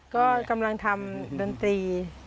ก็กำลังทำดนตรี